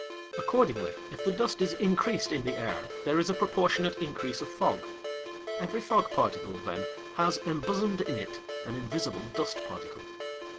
Accordingly, if the dust is increased in the air, there is a proportionate increase of fog. Every fog particle, then, has embosomed in it an invisible dust particle.